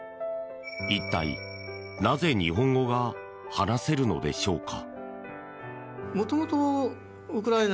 一体なぜ日本語が話せるのでしょうか。